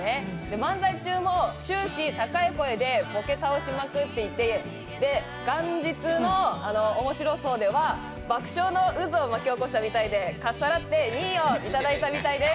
漫才中も終始、高い声でボケ倒しまくっていて元日の「おもしろ荘」では爆笑の渦を巻き起こしたみたいで、かっさらって２位をいただいたみたいです。